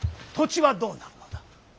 土地はどうなるのだ。